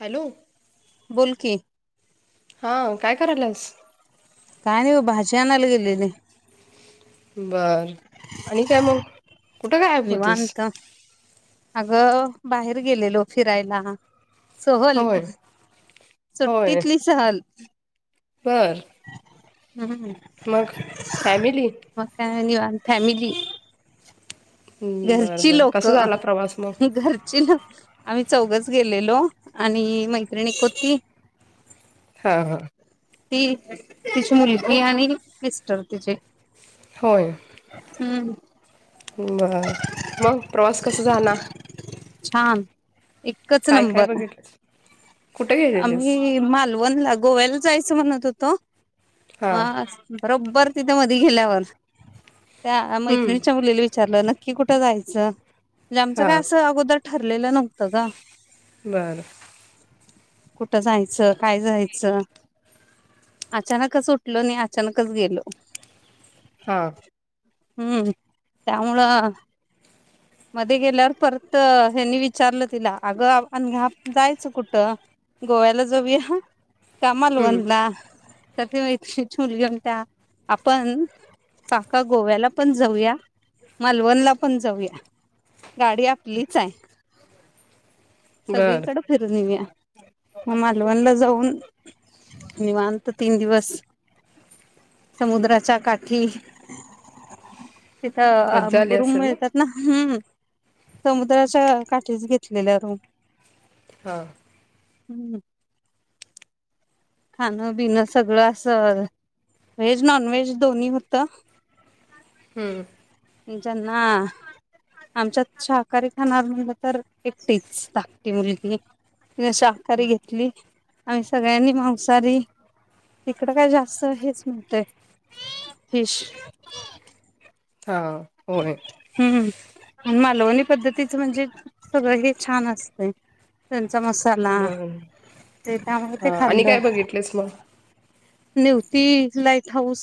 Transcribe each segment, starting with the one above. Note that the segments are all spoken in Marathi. हॅलो बोलकी हा काय करायल्यास? काय आणि बग, भाजी आणायला गेलेले. बर आणि काय मग कुट गायब होतीस? ग बाहेर गेलेलो फिरायला सहल, होय होय सुट्टीतली सहल बर हम्, मग फॅमिली मग काय आणि बाकी फॅमिली बर घरची बर कसा लोकं झाला प्रवास मग घरची लोक आम्ही चौघच गेलेलो आणि मैत्रिण एक होती. हा हा ती, तिची मुलगी आणि मिस्टर तिचे. होय हम्म बर मग प्रवास कसा झा ना छान. एकच काय नंबर. बघितलंस कुठे गेलेलीस आम्ही मालवण ला गोव्याला जायचं म्हणत होतो म हा आस बरोबर तिथं मधी गेल्यावर त्या हम्म मैत्रिणीच्या मुलीला विचार खरं नक्की कुठं जायचं? म्हणजे आमचं हा काय असं अगोदर ठरलेल नव्हत गं. बर कुठं जायचं, काय जायचं, अचानकच उठलो आणि अचानकच गेलो. हा हुं त्यामुळं मध्ये गेल्यावर परत, हेनी विचारलं तिला आगं नेहा आपण जायचं कुठ गोव्याला जाऊया? का हम्म मालवणला तर ती वैष्णवी ची मुलगी म्हणत्या, आपण काका गोव्याला पण जाऊया मालवणला पण जाऊया. गाडी आपलीच आहे बर सगळीकड फिरून येऊया मग मालवणला जाऊन निवांत तीन दिवस समुद्राच्या काठी तिथं आ मज्जा आली रूम असेल मिळतात ना हुं समुद्राच्या काठीच घेतलेल्या रूम हा हू खाणं बिणं सगळं अस व्हेज, नॉन व्हेज दोन्ही होतं हुं ज्यांना आमच्यात शाकाहारी खाणार म्हणलं तर एकटीच धाकटी मुलगी शाकाहारी घेतली आम्ही सगळ्यांनी मांसहारी तिकडं काय जास्त हेच मिळतय फिश हा होय हम्म मालवणी पद्धतीचं म्हणजे सगळं हे छान असतय चा मसाला बर ते त्यामूळ ते हा आणि खाल्ल काय बघितलेस मग नेवती लाईट हाऊस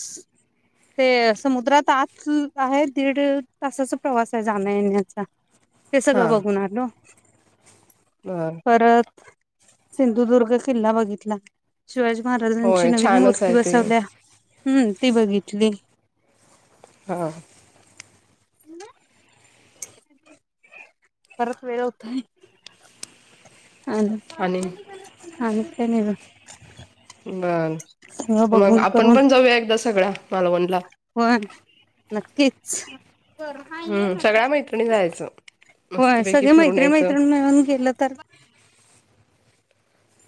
ते समुद्रात आत आहेत दीड तासाचा प्रवास आहे जाण्या-येण्याचा ते सगळं हा बघून आलो बर परत सिंधुदुर्ग किल्ला बघितला शिवाजी महाराजांची होय नवीन छानच मूर्ती आहे ते बसवल्या हम्म ती बघितली हा ह परत वेळ होतय हा न, आणि हा न काय नाही बघ सगळं बर मग बघून आपण करून पण जाऊया एकदा सगळ्या मालवणला होय नक्कीच हम्म सगळ्या मैत्रिणी जायचं होय मस्तपैकी सगळे फिरून मैत्रीण यायचं मैत्रिण मिळून गेलं तर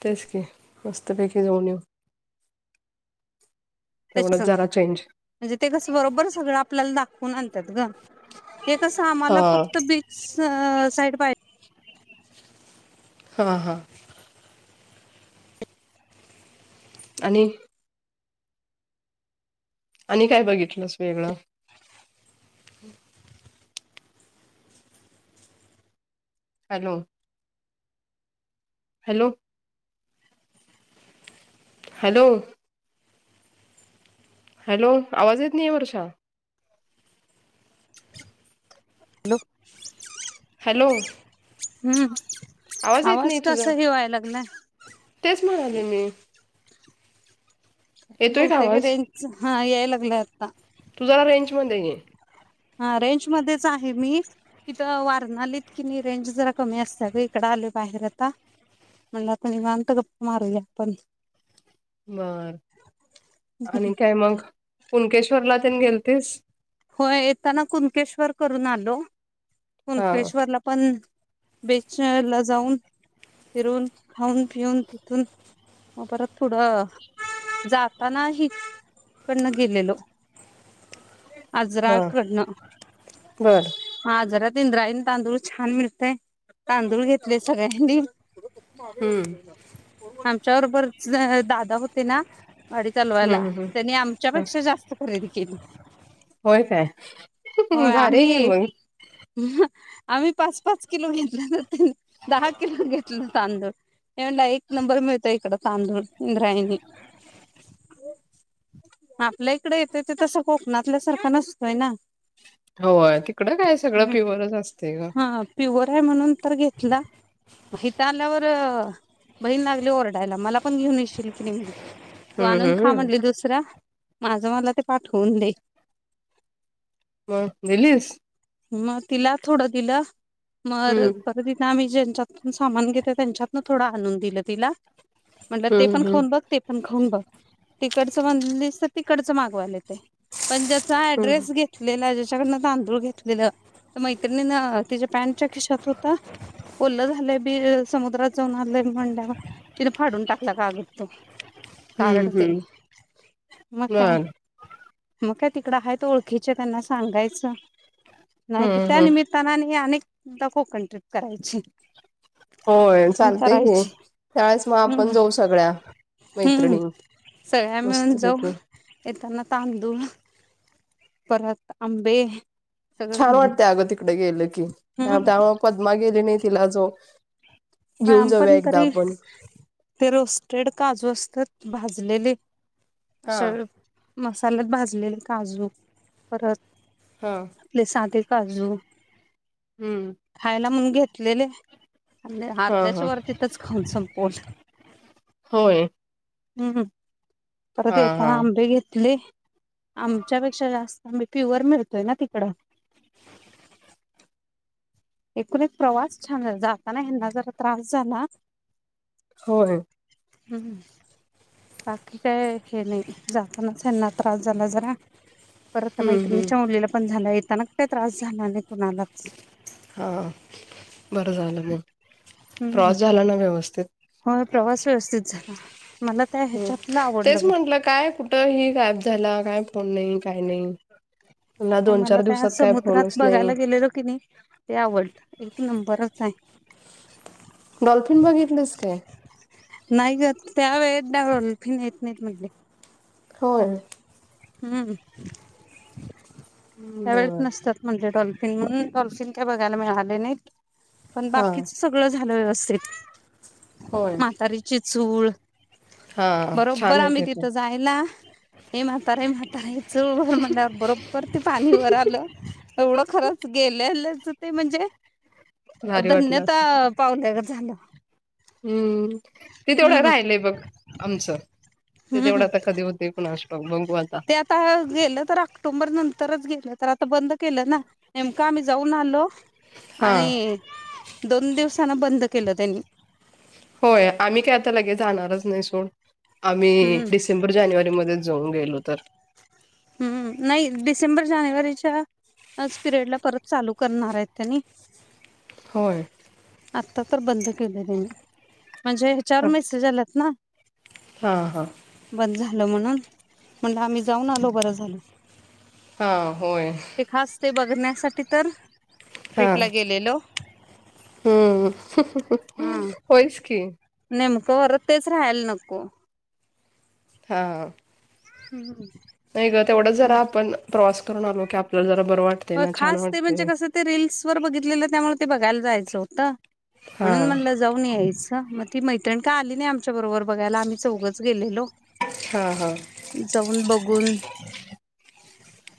तेच की मस्तपैकी जाऊन येऊ तेच तेवढंच ना जरा चेंज म्हणजे ते कस बरोबर सगळं आपल्याला दाखव वून आणत्यात ग हे कसं हा आम्हाला फक्त बीच साईड बाय हा हा आणि- आणि काय बघितलंस वेगळं हॅलो हॅलो हॅलो हॅलो आवाज येत नाहीय वर्षा हॅलो हॅलो हम येत आवाज नाही तुझा कसा हे व्हायला लागलाय तेच म्हणाले मी बोलतय का रेंज हा लागलाय आता तु जरा रेंजमध्ये ये हा रेंज मध्येच आहे. मी इथं वारणालीत कि नाही रेंज जरा कमी असते ग इकड आले बाहेर आता म्हणला त निवांत गप्पा मारूया आपण बर आणि काय मग कुणकेश्वरला तेन गेलतीस होय येताना कुनकेश्वर करून आलो. हा कुंकेश्वरला पण बेचण्याला जाऊन फिरून खाऊन पिऊन तिथून व परत थोड जाता नाही त परण गेलेलो हा आजराकडनं बर आजरात इंद्रायनी तांदूळ छान मिळतय तांदूळ घेतले सगळ्यांनी [unintelligible] हम्म त्या बरोबरच अ दादा होते ना वाडी तलवायला हम्म त्यांनी हम्म आमच्यापेक्षा जास्त खरेदी केली होय काय होय भारी हाय की आम्ही मग आम्ही पाच पाच किलो घेतला ना तेन दहा किलो घेतलं तांदूळ हे म्हणल एक नंबर मिळतो इकडं तांदूळ इंद्रायणी आपल्या इकड येतंय ते तसं कोकणातल्या सारखं नसतोय ना होय तिकडं काय सगळं प्युवरच असतय ग होय म्हणून तर घेतला हिथ आल्यावर बहीण लागली ओरडायला मला पण घेऊन येशील की नाही म्हणुन तू हम्म आणून खा हम्म म्हणली दुसरा माझं मला ते पाठवून दे व्हय दिलीस मग तिला थोडं दिलं मर हम्म पर तिथ आम्ही ज्यांच्यातून सामान घेते त्यांच्यातन थोडं आणून दिलं तिला- म्हणल ते हम्म पण हम्म खाऊन बघ ते पण खाऊन बघ तिकड तु म्हनलीस तर तिकडचं मागवालय पण ज्याचा हम्म ऍड्रेस घेतलेला ज्याच्याकडन तांदुळ घेत दिलं मैत्रिणीन तिच्या पॅन्टच्या खिशात होत, ओल्लं झालंय बी समुद्रात जाऊन आलंय म्हणल्यावर तिन फाडून टाकला कागद तो., हम्म कारडतय हम्म मगं काय. बर मग काय तिकडं हायत ओळखीचे त्यांना सांगायचं. नायत हम्म त्या हम्म निमित्तानं आणि हे अनेक आता कोकण ट्रिप करायची. होय पण चालतंय की करायची त्यावेळेस मगं आपण हम्म जाऊ सगळ्या हम्म मैत्रिणी सगळ्या मिळून जाऊ मस्तपैकी. येताना तांदूळ परत आंबे, सगळं छान घेऊन वाटतंय अगं तिकड गेलं की त्या हम्म त्यामुळे पदमा गेली नाही तिला जो- घेऊन जाऊया आपण एकदा तरी आपण [unintelligible] काजू असतात भाजलेली. [inaudible] हा त्याला भाजलेले काजू, परत, हा आपले सादे, काजू. हम्म खायला म्हण घेतलेले. हा हा [inaudible] खाऊन संपवलंय. होय हम्म हम्म. परत हा हा येताना आंबे घेतले, आमच्यापेक्षा जास्त आंबे प्युअर मिळतोय ना तिकडं? [unintelligible] एकूण एक प्रवास छान झाला जाताना ह्यानां जरा,. त्रास झाला, होय. हम्म बाकी काय हे नाही. जातानाच ह्यानां त्रास झाला जरा, परत हम्म हम्म मैत्रिणीनंच्या मुलीला पण झालायच त्यानं काय त्रास झाला नाही कोणालाच, हा. बरं झालं मगं प्रवास झाला ना व्यवस्थित,? अ प्रवास व्यवस्थित झाला मला त्या ह ह्याच्यातलं आवडलं तेच बघ म्हंटलं काय कुठ ही गायब झाला काय ऑनलाइन काही नाही, पुन्हा आणि दोन मला चार त्या दिवसात काय समुद्रात फोनच बघायला नाही. गेलेलो की नाही ते आवडलं एक नंबरच हाय. डॉल्फिन बघितलंस काय? नाही ग त्या वेळेत डल्फीन येत नाहीत म्हटले. होय. हूं त्यावेेळेत बर नसत्यात म्हणले डॉलफिन म्हणून डॉलफिन काय बघायला मिळाले नाहीत. पण हा बाकीच सगळं झालं व्यवस्थित होय म्हातारीची चूळ हा बरोबर छान आहे आम्ही ते पण तिथं जायला ये म्हातारे म्हातारे चूळ भर म्हणल्यावर बरोबर ते पाणी वर आलं एवढं खरंच गेलेल्याच ते म्हणजे भारी धन्यता पावल्या गंत झाल. हूं ते तेवढं राहिलय बघ आमचं ते हम्म तेवढं आता कधी होतय. ते आता गेलं तर ऑक्टोबर नं नंतरच गेलं तर आता बंद केलं ना? नेमक आम्ही जाऊन आलो हा आणि दोन दिवस होय आम्ही काय आता लगेच जाणारच नाही सोड आम्ही हम्म डिसेंबर जानेवारी मध्येच जाऊन गेलोत त्तर हम्म नाही डिसेंबर जानेवारीच्या पिरियडला परत चालू करणार आहेत त्यानी होय. आत्ता तर बंद केलय म्हणजे चार हा मॅसेज आल्यात ना हा हा लो म्हणून म्हणलं आम्ही जाऊन आलो. बर झालं हा होय धरण्यासाठी तर हा ट्रिपला गेलेलो ह होयस की परत तेच राहायला नको हा हुं आई गं तेवढ जरा आपण प्रवास करून आलो की आपल्याला जरा बरं वाटते होय ना छान खास ते म्हणजे वाटते कसं ते रील्सवर बघितलेलं त्यामुळे ते बघायला जाय चौथा हा म्हणून म्हटल जाऊन यायच म ती मैत्रीण का आली नाही आमची बरोबर बघायला आम्ही चौघच गेलेलो हा हा. जाऊन बघून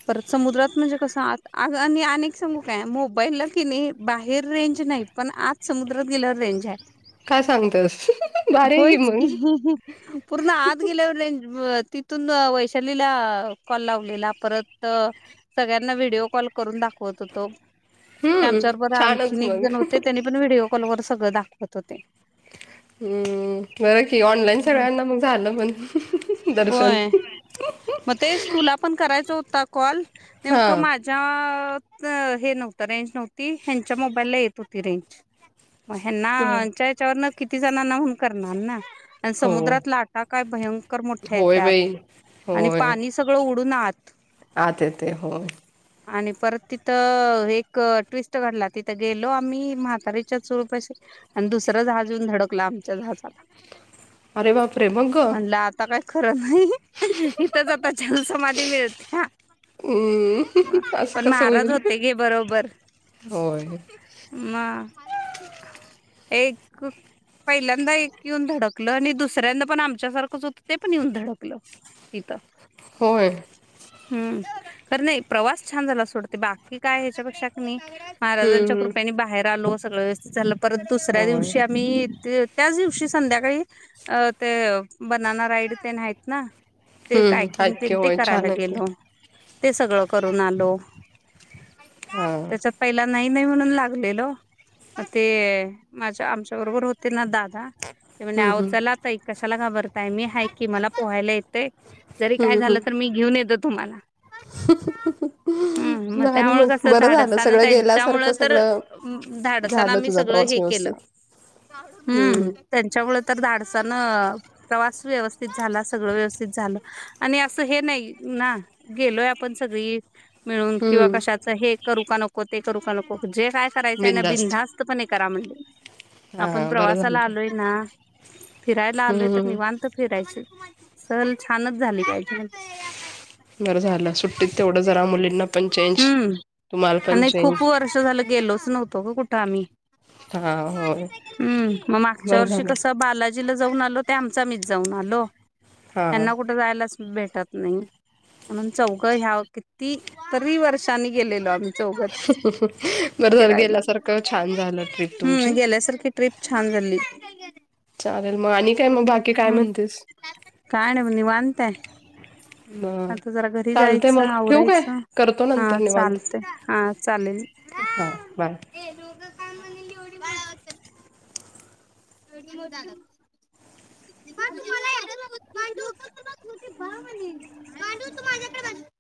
परत समुद्रात म्हणजे कसं आत आगं आणि अनेक सांगू काय मोबाईला कीणी बाहेर रेंज नाही पण आत समुद्रात गेल्यावर रेंज हाय काय सांगतेस भारी आहे होयच की मग पूर्ण आत गेल्यावर रेंज तिथून वैशालीला कॉल लावलेला परत सगळ्यांना व्हिडओ कॉल करून दाखवत होतो हम्म आमच्याबरबर छानच आणखीन एक मग. जण होते त्यांनी पण व्हिडिओ फोनवर सगळं दाखवत हं बरं कि ऑनलाईन हम्म सगळ्यांना मग झालं पण दर्शन होय मग तेच तुला पण ह आ तिथ हे नव्हतं रेंज नव्हती हेंच्या मोबाईल ला येत होती रेंज म यांना बर यांच्या याच्यावरनच किती जणांनाहून करणार ना अन हो. समुद्रात लाटा काय भयंकर मोठ्या होय बाई येत्यात आणि पाणी सगळं उड उन्हात आ येतय होय आणि परत तिथं एक ट्विस्ट काढला तिथं गेलो आम्ही म्हातारीच्या चूळपाशी आणि दुसरं जहाज येऊन धडकलं आमच्या जहाजाला अरे बापरे! मग ग? म्हणलं आता काय खरं नाही इथंच आता जल समाधी मिळत्या अं ये मला पाणी पाहिजे पण महाराज होते गे बरोबर होय म एक पहिल्यांदा एक येऊन धडकल आणि दुसऱ्यांदा पण आमच्या सारखंच होतं ते पण येऊन धडकलं इथं होय हं कारण प्रवास छान झाला सोड ते बाकी काय ह्याच्यापेक्षा कनी महाराजांच्या हम्म कृपेनी हम्म बाहेर आलो. सगळं व्यवस्थित चाललं परत दुसऱ्या होय दिवशी आम्ही इथे त्याच दिवशी संध्याकाळी अं ते बनाना राईड अन ते आहेत. ना ते हम्म कायकिंग हादगे तेन ते होय करायला छान येत ते. गेलो. ते सगळं करून आलो. हा त्याच्यात पहिला नाही नाही म्हणून लागलेलो ते माझ्या आमच्या बरोबर होते ना दा ते म्हण हम्म आव हम्म चला ताई कशाला घाबरताय मी आहे ना हाय की मला पोहायला येते जरी काय हम्म झालं तरी मी घेऊन येतो तुम्हाला हं म हम्म भारी त्यामुळे मग कस बरं झालं धाडसान सगळं त्यांच्यामुळ गेल्यासारखं तर सगळं धाडसान झालं आम्ही तुझा सगळं प्रवास हे केलं व्यवस्थित हं हम्म त्यांच्यामूळ तर धाडस न प्रवास व्यवस्थित झाला सगळं व्यवस्थित झालं आणि अस हे नाही ना गेलोय आप पण सगळी मिळून किंवा हम्म कशाच हे - करू का नको ते करू का नको जे काय करायचं आहे ना बिंदास्त बिधास्त पणे करा म्हंद आपण हा बरं झालं प्रवासाला आलोय ना फिरायला आलोय हम्म तर हम्म निवांत फिरायच. सल छानच झाली पाहिजे. बरं झालं सुट तेवढं जरा मुलींना पण चेंज हम्म तुम्हाला पण आणि खूप चेंज. वर्ष झालं गेलोच नवतो ग कुठं आम्ही हा होय हम्म मग मागच्या बरं वर्षी झालं कस बाला जिला जाऊन आलो ते आमचआमीच जाऊन आलो. हा त्यांना कुठं जायलाच भेट नाही म्हणून चौ ह्या किती तरी वर्षांनी गेलेलो आम्ही. चौघच बरं जर फिरायला गेल्यासारखं छान झालं ट्रीप हम्म तुमची गेल्यासारखी ट्रिप छान झाली हम्म चालेल मगं आणि काय मग बाकी काय म्हणतेस. काय नाही निवांत आहे हम्म आता जरा घरी चालते जायचं मग ठठीूक आहे आवरायचं करतो हा नंतर निवांत चालतय हा चालेल हा बाय. [unintelligible] [unintelligible] [unintelligible]